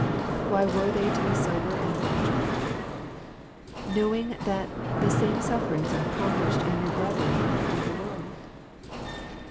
Why were they to be sober and watchful ?" Know ing that the same sufferings are accomplished in your brethren who are in the world."